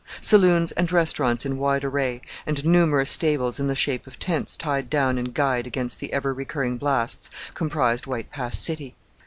Saloons and restaurants in wide array, and numerous stables in the shape of tents tied down and guyed against the ever recurring blasts, comprised White Pass City.